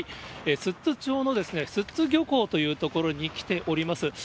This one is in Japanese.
寿都町の寿都漁港という所に来ております。